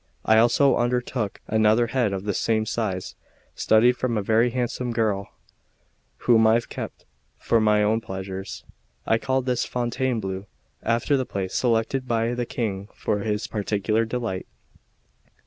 I also undertook another head of the same size, studied from a very handsome girl, whom I kept for my own pleasures. I called this Fontainebleau, after the place selected by the King for his particular delight.